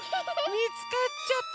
みつかっちゃった！